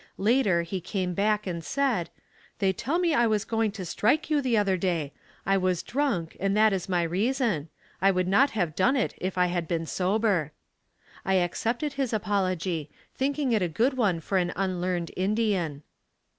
Later he came back and said, "They tell me I was going to strike you the other day. I was drunk and that is my reason. I would not have done it if I had been sober." I accepted his apology, thinking it a good one for an unlearned Indian.